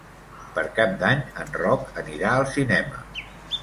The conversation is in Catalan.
Per Cap d'Any en Roc anirà al cinema.